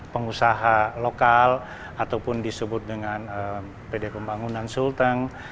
pengusaha lokal ataupun disebut dengan pd pembangunan sulteng